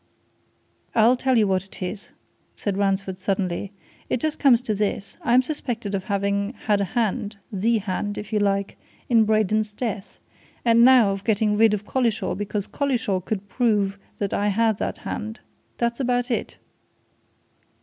"I'll tell you what it is!" said Ransford suddenly. "It just comes to this I'm suspected of having had a hand the hand, if you like! in Braden's death, and now of getting rid of Collishaw because Collishaw could prove that I had that hand. That's about it!"